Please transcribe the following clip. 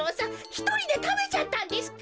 ひとりでたべちゃったんですか？